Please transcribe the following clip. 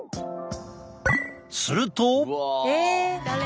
すると。